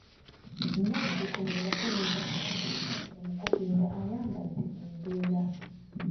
Nazzikuno nga toyinza kusanga musajja mukopi ng‘ayambadde enveera.